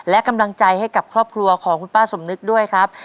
และกำลังใจให้กับครอบครัวของคุณป้าสมนึกด้วยครับ